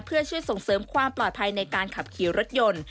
เพื่อช่วยส่งเสริมความปลอดภัยในการขับขี่รถยนต์